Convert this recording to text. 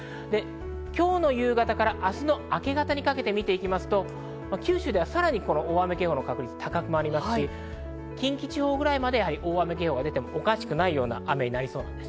今日の夕方から明日の明け方にかけて見ていきますと、九州ではさらに大雨警報の確率が高まりますし、近畿地方ぐらいまで大雨警報が出てもおかしくないような雨になりそうです。